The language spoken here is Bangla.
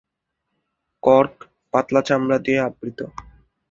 কর্ক পাতলা চামড়া দিয়ে আবৃত।